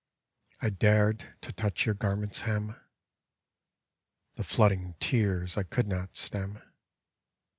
I dared to touch your garment's hem — The flooding tears I could not stem.